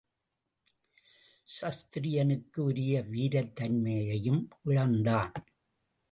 க்ஷத்திரியனுக்கு உரிய வீரத் தன்மையையும் இழந்தான்.